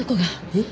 えっ？